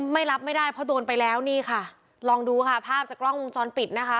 ไม่รับไม่ได้เพราะโดนไปแล้วนี่ค่ะลองดูค่ะภาพจากกล้องวงจรปิดนะคะ